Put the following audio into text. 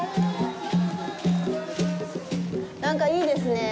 なんかいいですね。